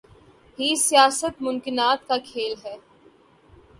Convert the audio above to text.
ہی سیاست ممکنات کا کھیل ہے۔